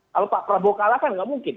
kalau pak prabowo kalah kan nggak mungkin